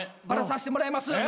バラさせてもらいます。